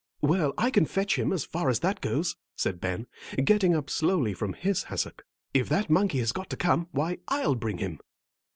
"Well, I can fetch him, as far as that goes," said Ben, getting up slowly from his hassock. "If that monkey has got to come, why, I'll bring him."